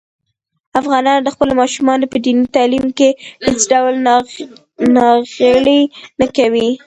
افغانان د خپلو ماشومانو په دیني تعلیم کې هېڅ ډول ناغېړي نه کوي.